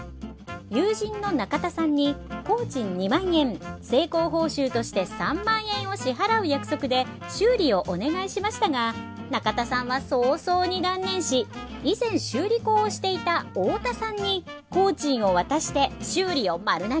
友人の中田さんに工賃２万円成功報酬として３万円を支払う約束で修理をお願いしましたが中田さんは早々に断念し以前修理工をしていた太田さんに工賃を渡して修理を丸投げ。